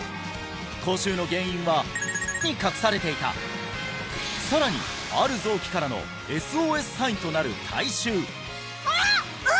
口臭の原因は○○に隠されていたさらにある臓器からのＳＯＳサインとなる体臭うわ！